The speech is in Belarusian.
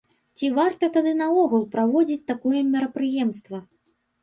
Ці варта тады наогул праводзіць такое мерапрыемства?